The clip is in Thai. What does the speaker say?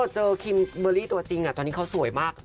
เจอคิมเบอร์รี่ตัวจริงตอนนี้เขาสวยมาก